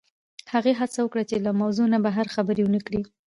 هغې هڅه وکړه چې له موضوع نه بهر خبرې ونه کړي